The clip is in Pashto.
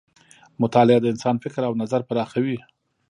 مطالعه د انسان فکر او نظر پراخوي.